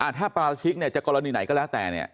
อ่าถ้าปราชิกเนี่ยจะกรณีไหนก็แล้วแต่เนี่ย